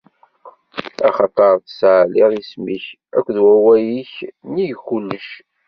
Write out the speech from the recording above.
Axaṭer tessaɛliḍ isem-ik akked wawal-ik nnig kullec.